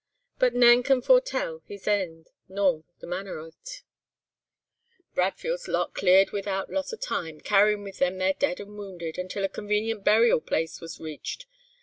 But nane can foretell his eend, nor the manner o't. "Bradfield's lot cleared without loss o' time, carrying with them their dead and wounded, until a convenient burial place was reached.